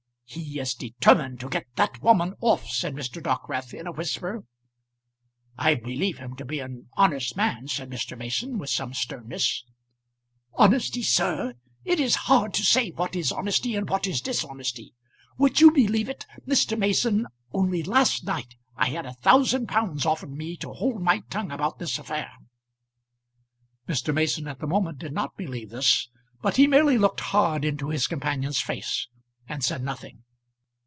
"He is determined to get that woman off," said Mr. Dockwrath, in a whisper. "I believe him to be an honest man," said Mr. Mason, with some sternness. "Honesty, sir! It is hard to say what is honesty and what is dishonesty. Would you believe it, Mr. Mason, only last night I had a thousand pounds offered me to hold my tongue about this affair?" Mr. Mason at the moment did not believe this, but he merely looked hard into his companion's face, and said nothing.